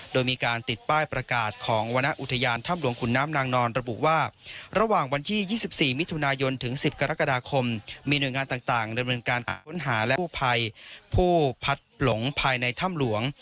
โดยมีการติดป้ายประกาศของวรรณอุทยานถ้ำหลวงขุนน้ำนางนอนระบุว่าระหว่างวันที่๒๔มิถุนายนถึง๑๐กรกฎาคมมีหน่วยงานต่างดำเนินการค้นหาและกู้ภัยผู้พัดหลงภายในถ้ำหลวง